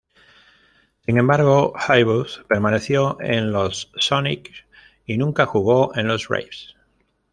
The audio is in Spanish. Sin embargo, Haywood permaneció en los Sonics y nunca jugó en los Braves.